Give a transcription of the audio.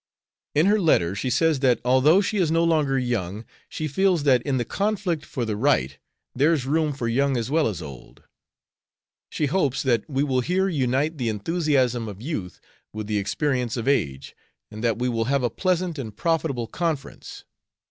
In her letter she says that, although she is no longer young, she feels that in the conflict for the right there's room for young as well as old. She hopes that we will here unite the enthusiasm of youth with the experience of age, and that we will have a pleasant and profitable conference.